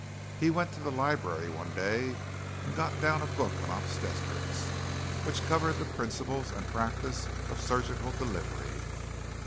He went to the library one day and got down a book on obstetrics, which covered the principles and practice of surgical delivery.